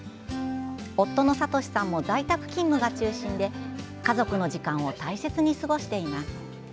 夫の聡史さんも在宅勤務が中心で家族の時間を大切に過ごしています。